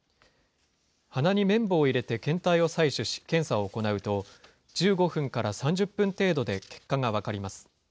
鼻に綿棒を入れて検体を採取し検査を行うと、１５分から３０分程度で結果が分かります。